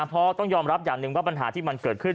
เพราะต้องยอมรับอย่างหนึ่งว่าปัญหาที่มันเกิดขึ้น